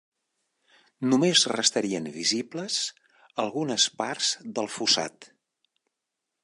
Només restarien visibles algunes parts del fossat.